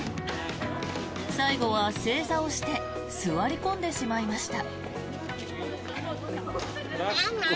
最後は正座をして座り込んでしまいました。